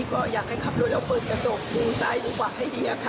ก็อยากให้ขับรถแล้วเปิดกระจกดูซ้ายดูขวาให้ดีค่ะ